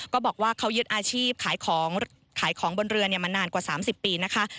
ก็บอกว่าเขายึดอาชีพขายของบนเรือนี่มานานกว่า๓๐ปีนะคะ